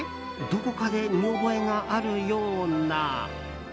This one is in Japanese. どこかで見覚えがあるような。